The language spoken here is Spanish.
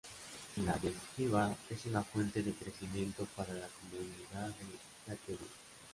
La yeshivá es una fuente de crecimiento para la comunidad de Lakewood.